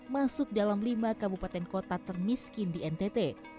masuk dalam lima kabupaten kota termiskin di ntt